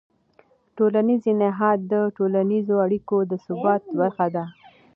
ټولنیز نهاد د ټولنیزو اړیکو د ثبات برخه ده.